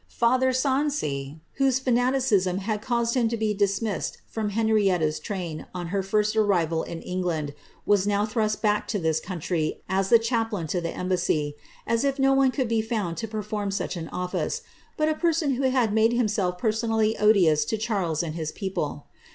Father Sancy, whose fonaticism had caused him to be dismissed from Henrietta's train <m her first arrival in England, was now thrust back to this country as the chaplain to the embassy ; as if no one could be found to perform such an office, but a person who bad made himself personally odious to Charles and his people.